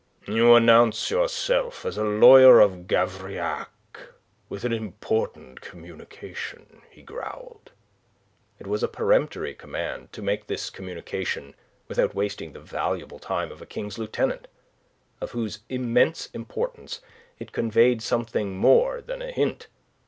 "You announce yourself as a lawyer of Gavrillac with an important communication," he growled. It was a peremptory command to make this communication without wasting the valuable time of a King's Lieutenant, of whose immense importance it conveyed something more than a hint.